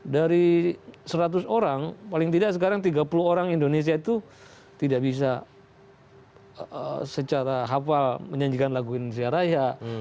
dari seratus orang paling tidak sekarang tiga puluh orang indonesia itu tidak bisa secara hafal menyanyikan lagu indonesia raya